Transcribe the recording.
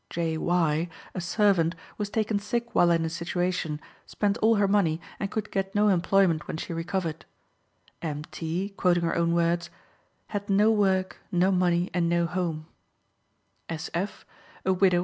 J. Y., a servant, was taken sick while in a situation, spent all her money, and could get no employment when she recovered. M. T. (quoting her own words) "had no work, no money, and no home."